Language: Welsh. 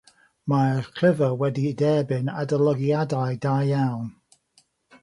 Mae'r llyfr wedi derbyn adolygiadau da iawn.